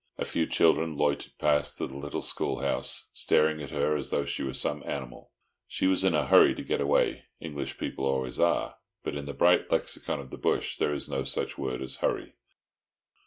A few children loitered past to the little school house, staring at her as though she were some animal. She was in a hurry to get away—English people always are—but in the bright lexicon of the bush there is no such word as hurry.